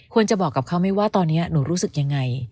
ควรจะบอกกับเขาไม่ว่าตอนนี้หนูรู้สึกอย่างไร